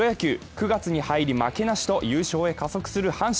９月に入り負けなしと優勝へ加速する阪神。